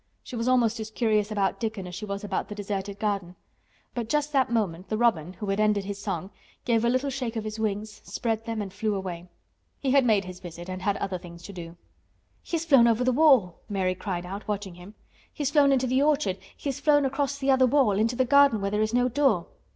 She was almost as curious about Dickon as she was about the deserted garden. But just that moment the robin, who had ended his song, gave a little shake of his wings, spread them and flew away. He had made his visit and had other things to do. "He has flown over the wall!" Mary cried out, watching him. "He has flown into the orchard—he has flown across the other wall—into the garden where there is no door!"